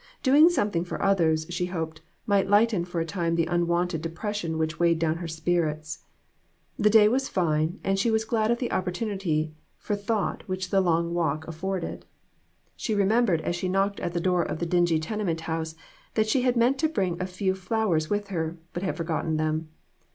Doing something for others, she hoped, might lighten for a time the unwonted depression which weighed down her spirits. The day was fine, and she was glad of the opportunity for thought which the long walk afforded. She remembered, as she knocked at the door of the dingy tenement house, that she had meant to bring a few flowers with her, but had forgot ten them.